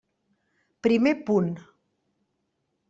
Primer punt.